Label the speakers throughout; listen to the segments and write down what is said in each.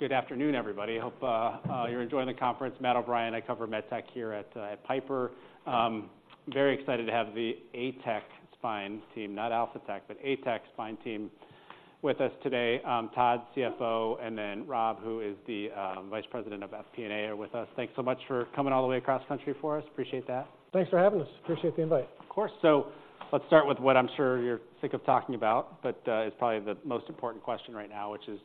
Speaker 1: Good afternoon, everybody. Hope you're enjoying the conference. Matt O'Brien. I cover MedTech here at Piper. Very excited to have the ATEC spine team, not Alphatec, but ATEC Spine team with us today. Todd, CFO, and then Rob, who is the Vice President of SP&A, are with us. Thanks so much for coming all the way across country for us. Appreciate that.
Speaker 2: Thanks for having us. Appreciate the invite.
Speaker 1: Of course. So let's start with what I'm sure you're sick of talking about, but it's probably the most important question right now, which is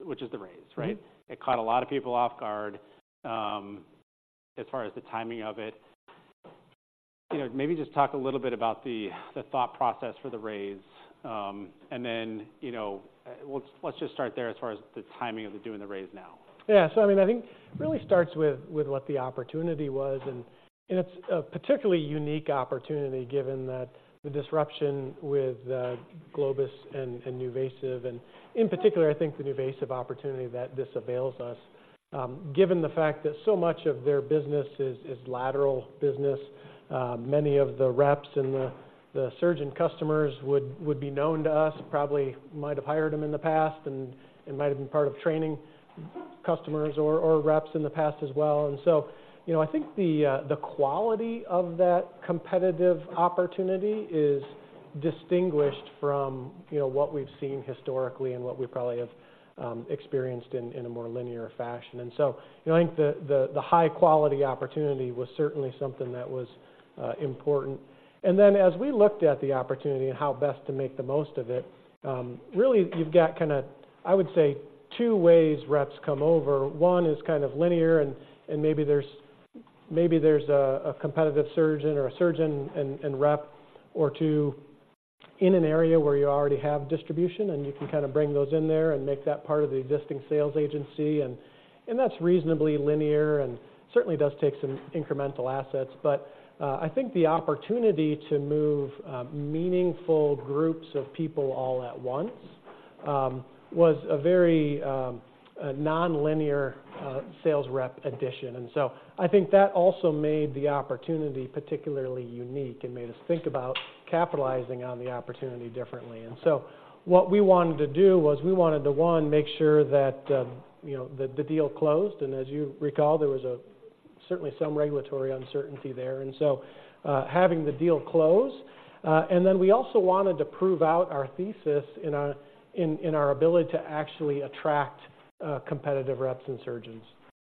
Speaker 1: the raise, right?
Speaker 2: Mm-hmm.
Speaker 1: It caught a lot of people off guard, as far as the timing of it. You know, maybe just talk a little bit about the thought process for the raise. And then, you know, let's just start there as far as the timing of the doing the raise now.
Speaker 2: Yeah. So I mean, I think really starts with what the opportunity was, and it's a particularly unique opportunity given that the disruption with Globus and NuVasive, and in particular, I think the NuVasive opportunity that this avails us. Given the fact that so much of their business is lateral business, many of the reps and the surgeon customers would be known to us, probably might have hired them in the past and might have been part of training customers or reps in the past as well. And so, you know, I think the quality of that competitive opportunity is distinguished from, you know, what we've seen historically and what we probably have experienced in a more linear fashion. And so I think the high quality opportunity was certainly something that was important. And then, as we looked at the opportunity and how best to make the most of it, really, you've got kinda, I would say, two ways reps come over. One is kind of linear, and maybe there's a competitive surgeon or a surgeon and rep or two in an area where you already have distribution, and you can kind of bring those in there and make that part of the existing sales agency. And that's reasonably linear and certainly does take some incremental assets. But I think the opportunity to move meaningful groups of people all at once was a very nonlinear sales rep addition. And so I think that also made the opportunity particularly unique and made us think about capitalizing on the opportunity differently. So what we wanted to do was we wanted to, one, make sure that, you know, the deal closed, and as you recall, there was certainly some regulatory uncertainty there, and so having the deal close. And then we also wanted to prove out our thesis in our ability to actually attract competitive reps and surgeons.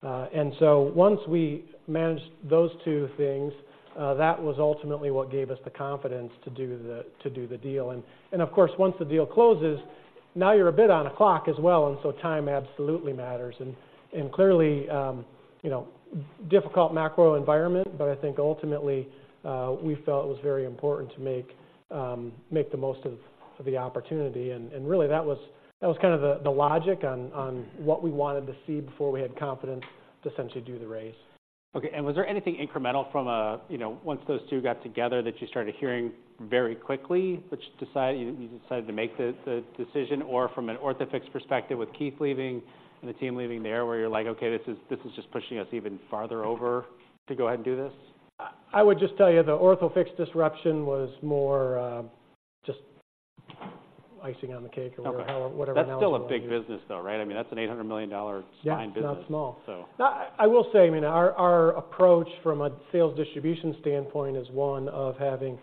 Speaker 2: And so once we managed those two things, that was ultimately what gave us the confidence to do the deal. And of course, once the deal closes, now you're a bit on the clock as well, and so time absolutely matters. Clearly, you know, difficult macro environment, but I think ultimately, we felt it was very important to make the most of the opportunity, and really that was the logic on what we wanted to see before we had confidence to essentially do the raise.
Speaker 1: Okay, and was there anything incremental from a, you know, once those two got together, that you started hearing very quickly, which decided—you, you decided to make the, the decision, or from an Orthofix perspective with Keith leaving and the team leaving there, where you're like: "Okay, this is, this is just pushing us even farther over to go ahead and do this?
Speaker 2: I would just tell you the Orthofix disruption was more, just icing on the cake-
Speaker 1: Okay...
Speaker 2: or however, whatever else.
Speaker 1: That's still a big business, though, right? I mean, that's an $800 million spine business.
Speaker 2: Yeah, not small.
Speaker 1: So.
Speaker 2: I will say, I mean, our approach from a sales distribution standpoint is one of having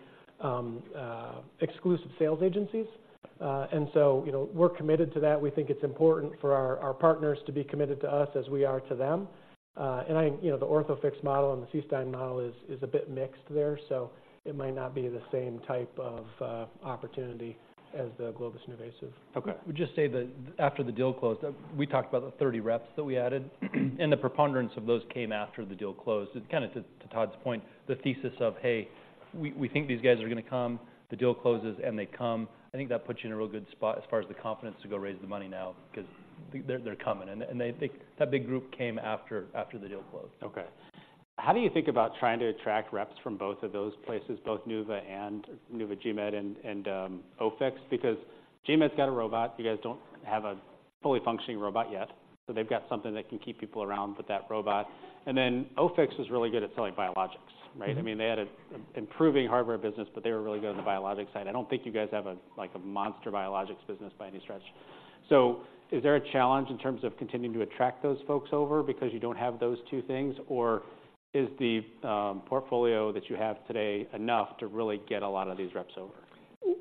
Speaker 2: exclusive sales agencies. And so, you know, we're committed to that. We think it's important for our partners to be committed to us as we are to them. And, you know, the Orthofix model and the C-spine model is a bit mixed there, so it might not be the same type of opportunity as the Globus NuVasive.
Speaker 1: Okay.
Speaker 3: I would just say that after the deal closed, we talked about the 30 reps that we added, and the preponderance of those came after the deal closed. It's kinda to, to Todd's point, the thesis of, hey, we, we think these guys are going to come, the deal closes, and they come. I think that puts you in a real good spot as far as the confidence to go raise the money now, 'cause they're, they're coming, and they-- That big group came after, after the deal closed.
Speaker 1: Okay. How do you think about trying to attract reps from both of those places, both NuVasive and NuVasive GMED and Orthofix? Because GMEDs got a robot. You guys don't have a fully functioning robot yet, so they've got something that can keep people around with that robot. And then Orthofix is really good at selling biologics, right?
Speaker 2: Mm-hmm.
Speaker 1: I mean, they had an improving hardware business, but they were really good on the biologics side. I don't think you guys have a, like a monster biologics business by any stretch. So is there a challenge in terms of continuing to attract those folks over because you don't have those two things? Or is the portfolio that you have today enough to really get a lot of these reps over?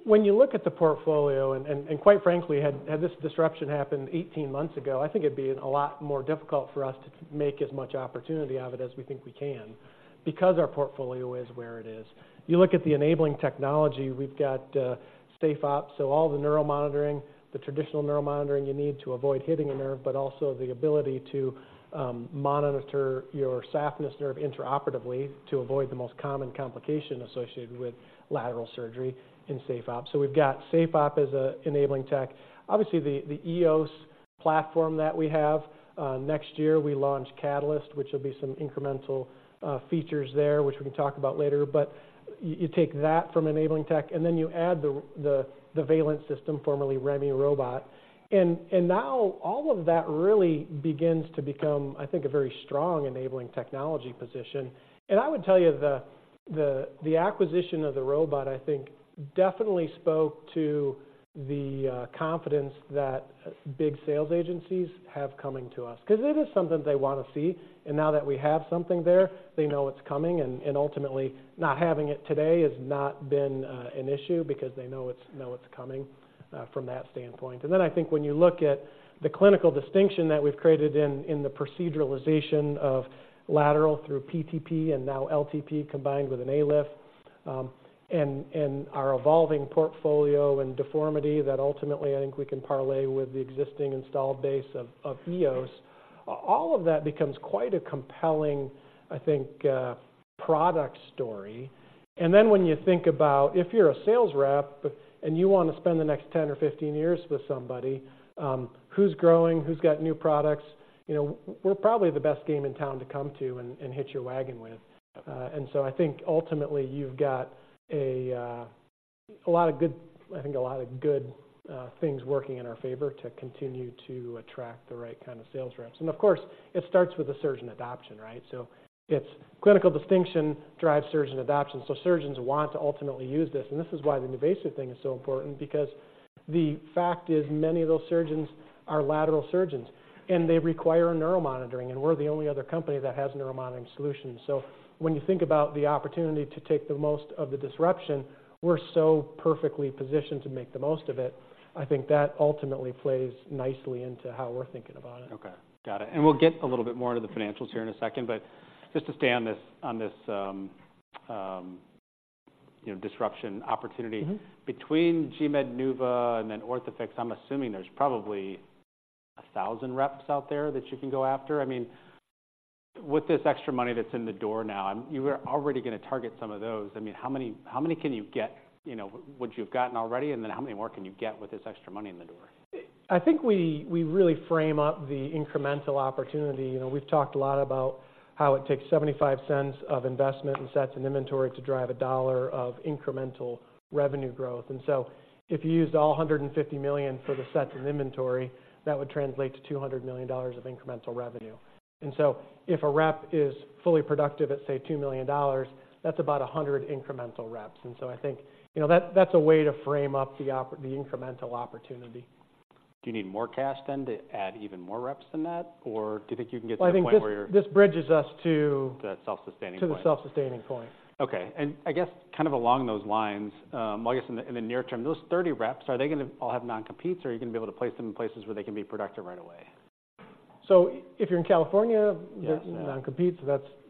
Speaker 2: When you look at the portfolio, quite frankly, had this disruption happened 18 months ago, I think it'd be a lot more difficult for us to make as much opportunity out of it as we think we can, because our portfolio is where it is. You look at the enabling technology, we've got SafeOp. So all the neural monitoring, the traditional neural monitoring, you need to avoid hitting a nerve, but also the ability to monitor your safeness nerve intraoperatively to avoid the most common complication associated with lateral surgery in SafeOp. So we've got SafeOp as a enabling tech. Obviously, the EOS platform that we have, next year we launch Catalyst, which will be some incremental features there, which we can talk about later. But you take that from enabling tech, and then you add the Valence system, formerly REMI Robot, and now all of that really begins to become, I think, a very strong enabling technology position. And I would tell you, the acquisition of the robot, I think, definitely spoke to the confidence that big sales agencies have coming to us, because it is something they want to see. And now that we have something there, they know it's coming, and ultimately, not having it today has not been an issue because they know it's coming from that standpoint. Then I think when you look at the clinical distinction that we've created in the proceduralization of lateral through PTP and now LTP, combined with an ALIF, and our evolving portfolio and deformity, that ultimately I think we can parlay with the existing installed base of EOS. All of that becomes quite a compelling, I think, product story. And then when you think about if you're a sales rep and you want to spend the next 10 or 15 years with somebody, who's growing, who's got new products, you know, we're probably the best game in town to come to and hit your wagon with. And so I think ultimately you've got a lot of good things working in our favor to continue to attract the right kind of sales reps. Of course, it starts with the surgeon adoption, right? So it's clinical distinction drives surgeon adoption, so surgeons want to ultimately use this. This is why the NuVasive thing is so important, because the fact is, many of those surgeons are lateral surgeons, and they require neuromonitoring, and we're the only other company that has neuromonitoring solutions. So when you think about the opportunity to take the most of the disruption, we're so perfectly positioned to make the most of it. I think that ultimately plays nicely into how we're thinking about it.
Speaker 1: Okay, got it. We'll get a little bit more into the financials here in a second, but just to stay on this, you know, disruption opportunity.
Speaker 2: Mm-hmm.
Speaker 1: Between GMED, NuVasive, and then Orthofix, I'm assuming there's probably 1,000 reps out there that you can go after. I mean, with this extra money that's in the door now, you are already going to target some of those. I mean, how many, how many can you get, you know, would you have gotten already, and then how many more can you get with this extra money in the door?
Speaker 2: I think we really frame up the incremental opportunity. You know, we've talked a lot about how it takes $0.75 of investment and sets in inventory to drive $1 of incremental revenue growth. And so if you used all $150 million for the sets in inventory, that would translate to $200 million of incremental revenue. And so if a rep is fully productive at, say, $2 million, that's about 100 incremental reps. And so I think, you know, that's a way to frame up the incremental opportunity.
Speaker 1: Do you need more cash then, to add even more reps than that? Or do you think you can get to the point where you're-
Speaker 2: Well, I think this bridges us to-
Speaker 1: The self-sustaining point.
Speaker 2: To the self-sustaining point.
Speaker 1: Okay. And I guess kind of along those lines, I guess in the, in the near term, those 30 reps, are they going to all have non-competes, or are you going to be able to place them in places where they can be productive right away?
Speaker 2: If you're in California-
Speaker 1: Yes.
Speaker 2: Non-compete, so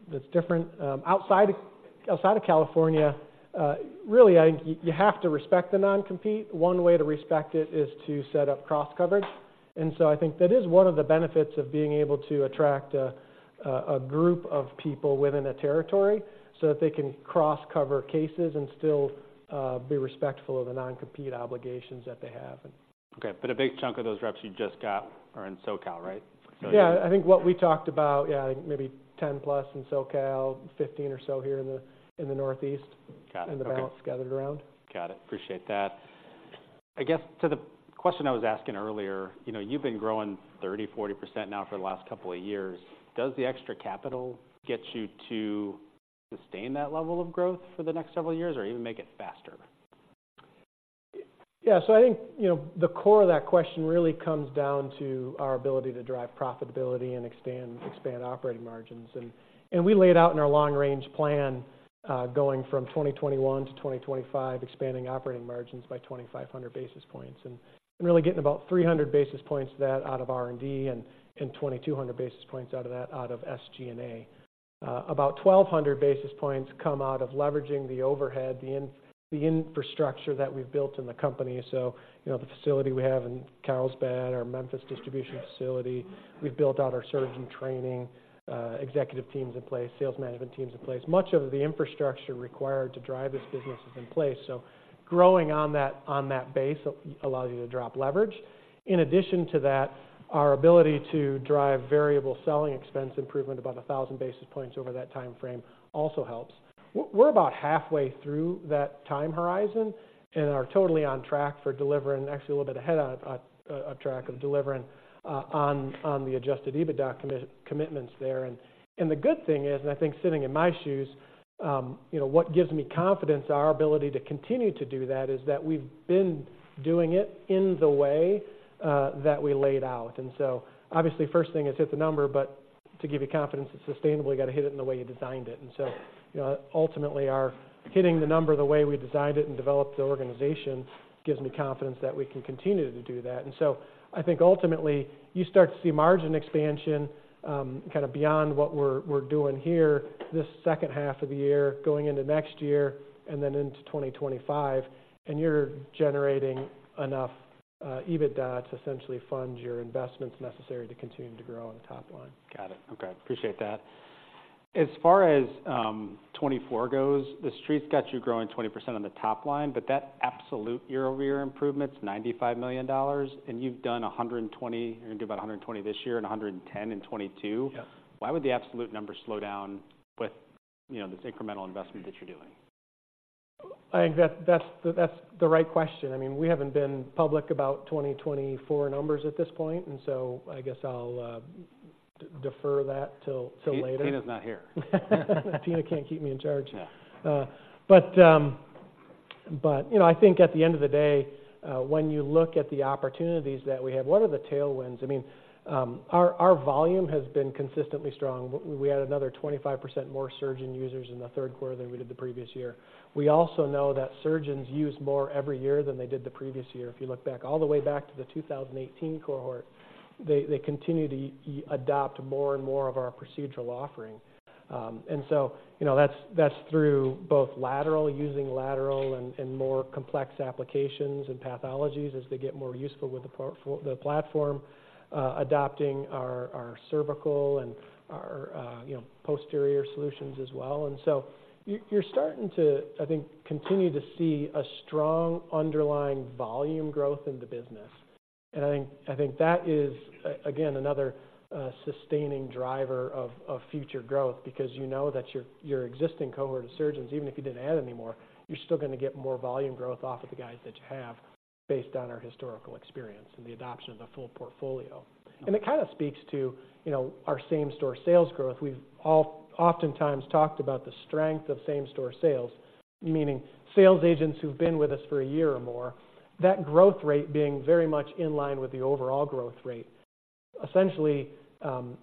Speaker 2: that's different. Outside of California, really, you have to respect the non-compete. One way to respect it is to set up cross coverage. And so I think that is one of the benefits of being able to attract a group of people within a territory, so that they can cross-cover cases and still be respectful of the non-compete obligations that they have.
Speaker 1: Okay, but a big chunk of those reps you just got are in SoCal, right?
Speaker 2: Yeah, I think what we talked about, yeah, maybe 10+ in SoCal, 15 or so here in the Northeast-
Speaker 1: Got it.
Speaker 2: And the balance gathered around.
Speaker 1: Got it. Appreciate that. I guess, to the question I was asking earlier, you know, you've been growing 30%-40% now for the last couple of years. Does the extra capital get you to sustain that level of growth for the next several years or even make it faster?
Speaker 2: Yeah. So I think, you know, the core of that question really comes down to our ability to drive profitability and expand, expand operating margins. And we laid out in our long-range plan, going from 2021 to 2025, expanding operating margins by 2,500 basis points, and really getting about 300 basis points to that out of R&D and 2,200 basis points out of that, out of SG&A. About 1,200 basis points come out of leveraging the overhead, the infrastructure that we've built in the company. So you know, the facility we have in Carlsbad, our Memphis distribution facility, we've built out our surgeon training, executive teams in place, sales management teams in place. Much of the infrastructure required to drive this business is in place, so growing on that, on that base allows you to drop leverage. In addition to that, our ability to drive variable selling expense improvement, about 1,000 basis points over that timeframe, also helps. We're about halfway through that time horizon and are totally on track for delivering. Actually, a little bit ahead of on track for delivering on the Adjusted EBITDA commitments there. And the good thing is, and I think sitting in my shoes, you know, what gives me confidence, our ability to continue to do that, is that we've been doing it in the way that we laid out. And so obviously, first thing is hit the number, but to give you confidence, it's sustainably got to hit it in the way you designed it. So, you know, ultimately, our hitting the number the way we designed it and developed the organization, gives me confidence that we can continue to do that. So I think ultimately you start to see margin expansion, kind of beyond what we're doing here, this second half of the year, going into next year and then into 2025, and you're generating enough EBITDA to essentially fund your investments necessary to continue to grow on the top line.
Speaker 1: Got it. Okay, appreciate that. As far as 2024 goes, the Street's got you growing 20% on the top line, but that absolute year-over-year improvement's $95 million, and you've done 120, you're going to do about 120 this year and 110 in 2022.
Speaker 2: Yes.
Speaker 1: Why would the absolute number slow down with, you know, this incremental investment that you're doing?
Speaker 2: I think that's, that's the right question. I mean, we haven't been public about 2024 numbers at this point, and so I guess I'll defer that till, till later.
Speaker 1: Tina's not here.
Speaker 2: Tina can't keep me in charge.
Speaker 1: Yeah.
Speaker 2: But, you know, I think at the end of the day, when you look at the opportunities that we have, what are the tailwinds? I mean, our volume has been consistently strong. We had another 25% more surgeon users in the third quarter than we did the previous year. We also know that surgeons use more every year than they did the previous year. If you look back, all the way back to the 2018 cohort, they continue to adopt more and more of our procedural offering. And so, you know, that's through both lateral, using lateral and more complex applications and pathologies as they get more useful with the portfolio—the platform, adopting our cervical and our posterior solutions as well. And so you, you're starting to, I think, continue to see a strong underlying volume growth in the business. And I think, I think that is, again, another sustaining driver of, of future growth, because you know that your, your existing cohort of surgeons, even if you didn't add any more, you're still gonna get more volume growth off of the guys that you have, based on our historical experience and the adoption of the full portfolio. And it kind of speaks to, you know, our same-store sales growth. We've all oftentimes talked about the strength of same-store sales, meaning sales agents who've been with us for a year or more, that growth rate being very much in line with the overall growth rate. Essentially,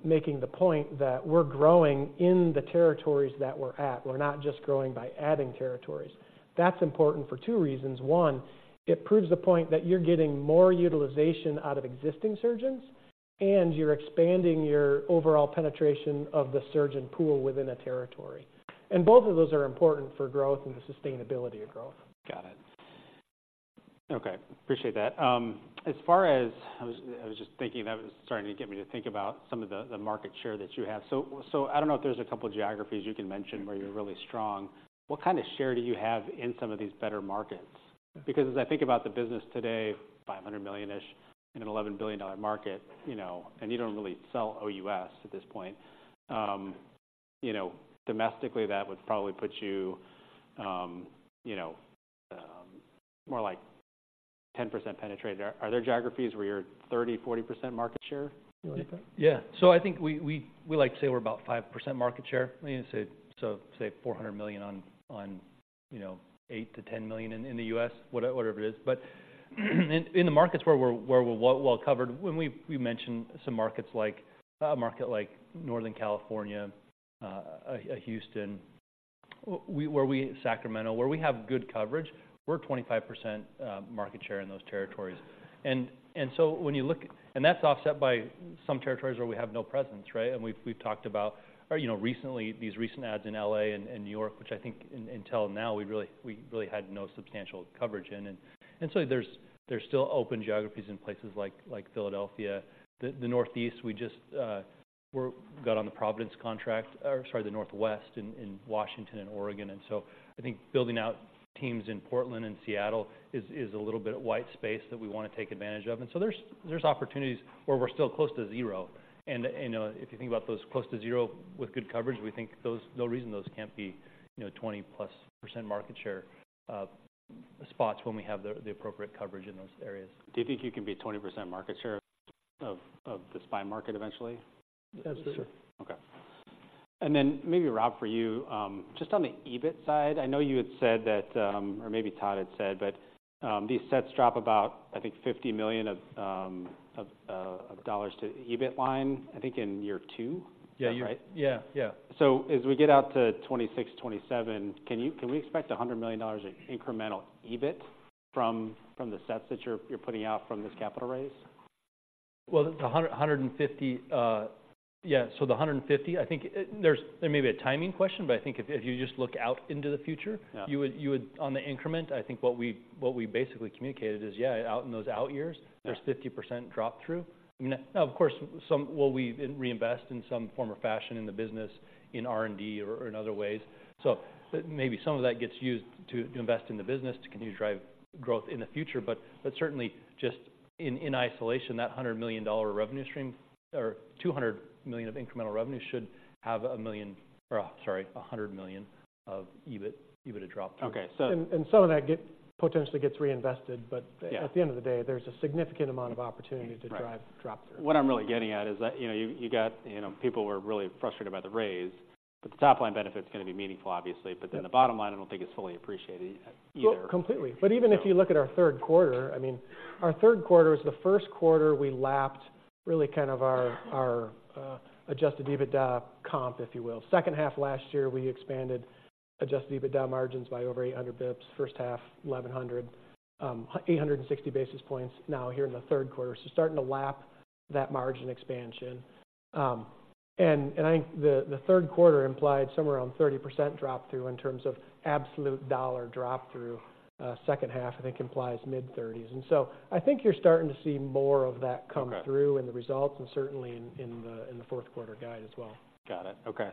Speaker 2: making the point that we're growing in the territories that we're at. We're not just growing by adding territories. That's important for two reasons. One, it proves the point that you're getting more utilization out of existing surgeons, and you're expanding your overall penetration of the surgeon pool within a territory. Both of those are important for growth and the sustainability of growth.
Speaker 1: Got it. Okay, appreciate that. As far as... I was just thinking, that was starting to get me to think about some of the market share that you have. So, I don't know if there's a couple geographies you can mention where you're really strong. What kind of share do you have in some of these better markets? Because as I think about the business today, $500 million-ish in an $11 billion market, you know, and you don't really sell OUS at this point, you know, domestically, that would probably put you, you know, more like 10% penetrated. Are there geographies where you're 30, 40% market share, anything like that?
Speaker 3: Yeah. So I think we like to say we're about 5% market share. I mean, say, so say $400 million on, on, you know, $8 million-$10 million in the US, whatever it is. But in the markets where we're well covered, when we mention some markets like a market like Northern California, Houston, Sacramento, where we have good coverage, we're 25% market share in those territories. And so when you look... And that's offset by some territories where we have no presence, right? And we've talked about, or, you know, recently, these recent ads in L.A. and New York, which I think until now, we really had no substantial coverage in. And so there's still open geographies in places like Philadelphia. The Northeast, we just got on the Providence contract, or sorry, the Northwest in Washington and Oregon. And so I think building out teams in Portland and Seattle is a little bit of white space that we want to take advantage of. And so there's opportunities where we're still close to zero. And, you know, if you think about those close to zero with good coverage, we think those no reason those can't be, you know, 20%+ market share spots when we have the appropriate coverage in those areas.
Speaker 1: Do you think you can be a 20% market share of the spine market eventually?
Speaker 3: That's it.
Speaker 2: Sure.
Speaker 1: Okay. And then maybe, Rob, for you, just on the EBIT side, I know you had said that, or maybe Todd had said, but, these sets drop about, I think, $50 million to EBIT line, I think, in year two.
Speaker 3: Yeah.
Speaker 1: Is that right?
Speaker 3: Yeah, yeah.
Speaker 1: So as we get out to 2026, 2027, can we expect $100 million of incremental EBIT from the sets that you're putting out from this capital raise?
Speaker 3: Well, the 150, yeah, so the 150, I think there may be a timing question, but I think if, if you just look out into the future-
Speaker 1: Yeah...
Speaker 3: you would on the increment, I think what we basically communicated is, yeah, out in those out years-
Speaker 1: Yeah...
Speaker 3: there's 50% drop-through. I mean, now, of course, some, will we reinvest in some form or fashion in the business, in R&D or, or in other ways? So maybe some of that gets used to, to invest in the business, to continue to drive growth in the future. But, but certainly just in, in isolation, that $100 million revenue stream, or $200 million of incremental revenue, should have $1 million, or sorry, $100 million of EBIT, EBIT to drop.
Speaker 1: Okay, so-
Speaker 2: some of that potentially gets reinvested, but-
Speaker 3: Yeah...
Speaker 2: at the end of the day, there's a significant amount of opportunity-
Speaker 3: Right...
Speaker 2: to drive drop-through.
Speaker 1: What I'm really getting at is that, you know, you got, you know, people were really frustrated about the raise, but the top line benefit is gonna be meaningful, obviously. But then the bottom line, I don't think is fully appreciated either.
Speaker 2: Well, completely.
Speaker 1: So-
Speaker 2: But even if you look at our third quarter, I mean, our third quarter is the first quarter we lapped really kind of our Adjusted EBITDA comp, if you will. Second half last year, we expanded Adjusted EBITDA margins by over 800 basis points, first half, 1,100, 860 basis points now here in the third quarter. So starting to lap that margin expansion. And I think the third quarter implied somewhere around 30% drop-through in terms of absolute dollar drop-through. Second half, I think, implies mid-30s. And so I think you're starting to see more of that-
Speaker 1: Okay...
Speaker 2: come through in the results and certainly in the fourth quarter guide as well.
Speaker 1: Got it. Okay.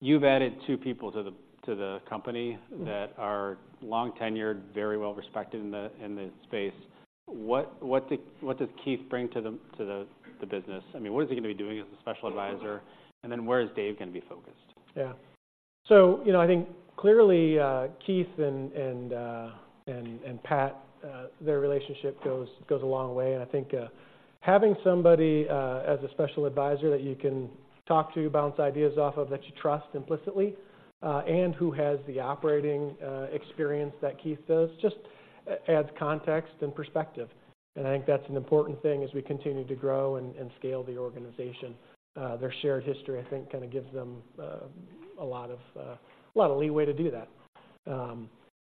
Speaker 1: You've added two people to the company-
Speaker 2: Mm-hmm.
Speaker 1: that are long tenured, very well respected in the space. What does Keith bring to the business? I mean, what is he gonna be doing as a special advisor? And then where is Dave gonna be focused?
Speaker 2: Yeah. So, you know, I think clearly, Keith and Pat, their relationship goes a long way. And I think having somebody as a special advisor that you can talk to, bounce ideas off of, that you trust implicitly, and who has the operating experience that Keith does, just adds context and perspective. And I think that's an important thing as we continue to grow and scale the organization. Their shared history, I think, kind of gives them a lot of leeway to do that.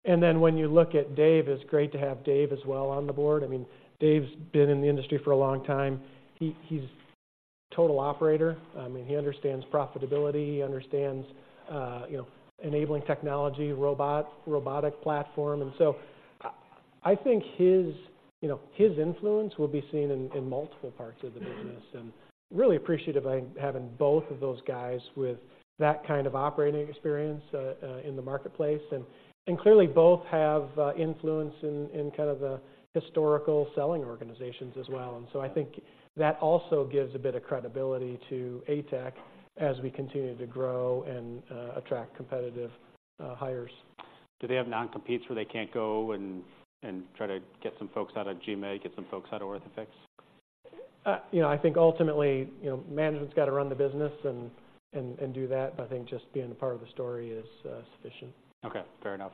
Speaker 2: And then when you look at Dave, it's great to have Dave as well on the board. I mean, Dave's been in the industry for a long time. He's a total operator. I mean, he understands profitability, he understands, you know, enabling technology, robotic platform. And so, I think his, you know, his influence will be seen in multiple parts of the business.
Speaker 1: Mm-hmm.
Speaker 2: Really appreciative by having both of those guys with that kind of operating experience in the marketplace. And clearly, both have influence in kind of the historical selling organizations as well. And so I think that also gives a bit of credibility to ATEC as we continue to grow and attract competitive hires.
Speaker 1: Do they have non-competes where they can't go and try to get some folks out of GMED, get some folks out of Orthofix?
Speaker 2: You know, I think ultimately, you know, management's got to run the business and do that. I think just being a part of the story is sufficient.
Speaker 1: Okay, fair enough.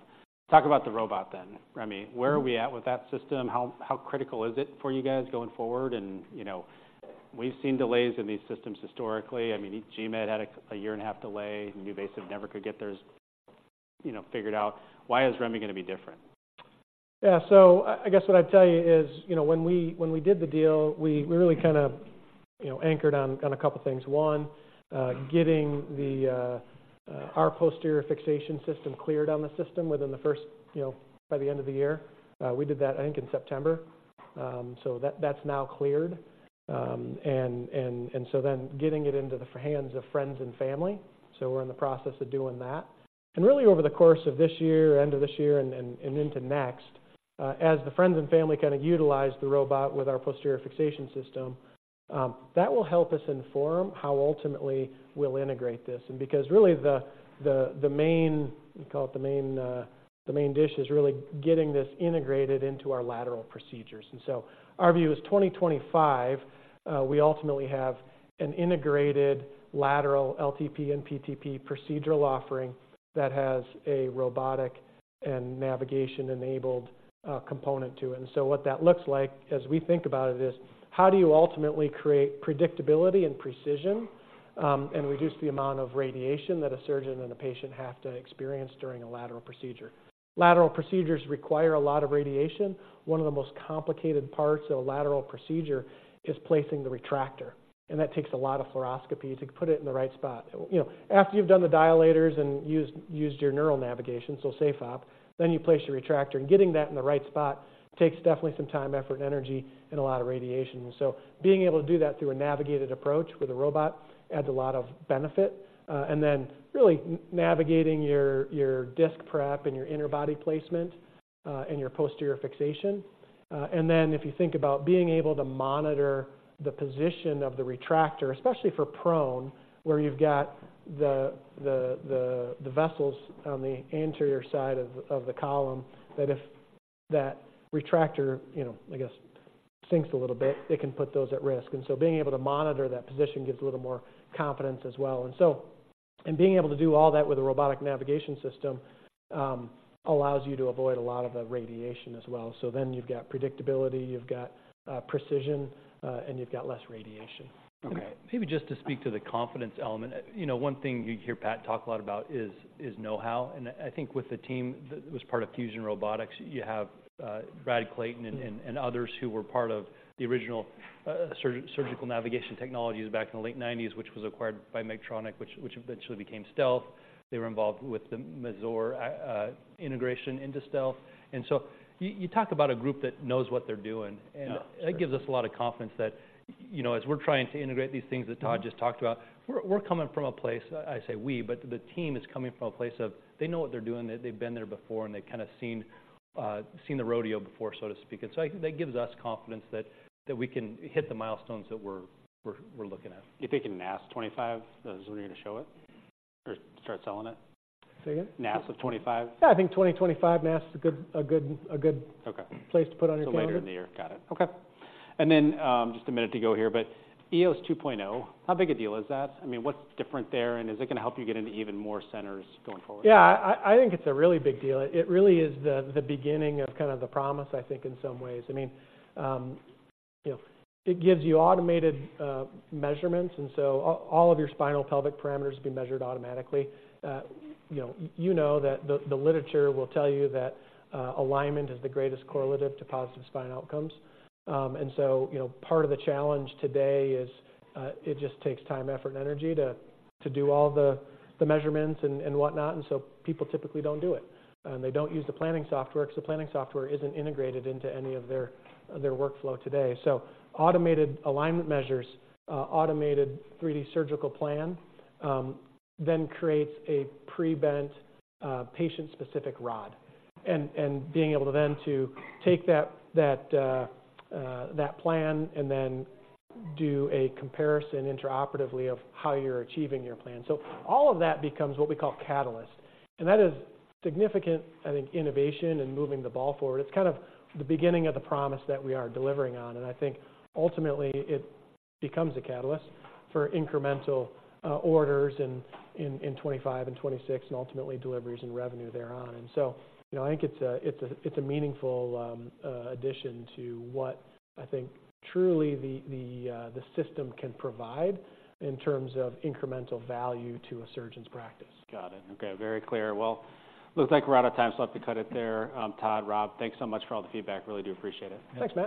Speaker 1: Talk about the robot then, REMI. Where are we at with that system? How critical is it for you guys going forward? And, you know, we've seen delays in these systems historically. I mean, GMED had a 1.5-year delay, NuVasive never could get theirs, you know, figured out. Why is REMI going to be different?
Speaker 2: Yeah. So I, I guess what I'd tell you is, you know, when we, when we did the deal, we, we really kind of, you know, anchored on, on a couple things. One, getting our posterior fixation system cleared on the system within the first, you know, by the end of the year. We did that, I think, in September. So that, that's now cleared. And, and, and so then getting it into the hands of friends and family. So we're in the process of doing that. And really, over the course of this year, end of this year and, and, and into next, as the friends and family kind of utilize the robot with our posterior fixation system, that will help us inform how ultimately we'll integrate this. And because really the main, we call it the main dish, is really getting this integrated into our lateral procedures. And so our view is 2025, we ultimately have an integrated lateral LTP and PTP procedural offering that has a robotic and navigation-enabled component to it. And so what that looks like as we think about it is how do you ultimately create predictability and precision, and reduce the amount of radiation that a surgeon and a patient have to experience during a lateral procedure? Lateral procedures require a lot of radiation. One of the most complicated parts of a lateral procedure is placing the retractor, and that takes a lot of fluoroscopy to put it in the right spot. You know, after you've done the dilators and used your neural navigation, so SafeOp, then you place your retractor, and getting that in the right spot takes definitely some time, effort, and energy, and a lot of radiation. And so being able to do that through a navigated approach with a robot adds a lot of benefit. And then really navigating your disc prep and your interbody placement, and your posterior fixation. And then if you think about being able to monitor the position of the retractor, especially for prone, where you've got the vessels on the anterior side of the column, that if that retractor, you know, I guess, sinks a little bit, it can put those at risk. And so being able to monitor that position gives a little more confidence as well. And so, being able to do all that with a robotic navigation system, allows you to avoid a lot of the radiation as well. So then you've got predictability, you've got precision, and you've got less radiation.
Speaker 1: Okay.
Speaker 3: Maybe just to speak to the confidence element. You know, one thing you hear Pat talk a lot about is know-how, and I think with the team that was part of Fusion Robotics, you have, Brad Clayton-
Speaker 2: Mm-hmm.
Speaker 3: and others who were part of the original Surgical Navigation Technologies back in the late nineties, which was acquired by Medtronic, which eventually became Stealth. They were involved with the Mazor integration into Stealth. And so you talk about a group that knows what they're doing.
Speaker 2: Yeah.
Speaker 3: And it gives us a lot of confidence that, you know, as we're trying to integrate these things that Todd just talked about, we're coming from a place. I say we, but the team is coming from a place of they know what they're doing, they've been there before, and they've kind of seen the rodeo before, so to speak. And so I think that gives us confidence that we can hit the milestones that we're looking at.
Speaker 1: You're thinking NASS 25 is when you're going to show it or start selling it?
Speaker 2: Say again?
Speaker 1: NASA Twenty-five.
Speaker 2: Yeah, I think 2025, ATEC is a good-
Speaker 1: Okay
Speaker 2: Place to put on your calendar.
Speaker 1: So later in the year. Got it. Okay. And then, just a minute to go here, but EOS 2.0, how big a deal is that? I mean, what's different there, and is it going to help you get into even more centers going forward?
Speaker 2: Yeah, I think it's a really big deal. It really is the beginning of kind of the promise, I think, in some ways. I mean, you know, it gives you automated measurements, and so all of your Spinal Pelvic Parameters be measured automatically. You know that the literature will tell you that alignment is the greatest correlative to positive spine outcomes. And so, you know, part of the challenge today is it just takes time, effort, and energy to do all the measurements and whatnot, and so people typically don't do it. And they don't use the planning software, because the planning software isn't integrated into any of their workflow today. So automated alignment measures, automated 3D surgical plan, then creates a pre-bent patient-specific rod. Being able to then to take that plan and then do a comparison intraoperatively of how you're achieving your plan. So all of that becomes what we call Catalyst, and that is significant, I think, innovation and moving the ball forward. It's kind of the beginning of the promise that we are delivering on, and I think ultimately it becomes a catalyst for incremental orders in 2025 and 2026, and ultimately deliveries and revenue thereon. You know, I think it's a meaningful addition to what I think truly the system can provide in terms of incremental value to a surgeon's practice.
Speaker 1: Got it. Okay, very clear. Well, looks like we're out of time, so I have to cut it there. Todd, Rob, thanks so much for all the feedback. Really do appreciate it.
Speaker 3: Thanks, man.